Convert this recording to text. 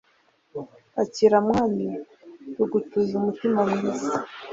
akira mwami), tugutuye umutima mwiza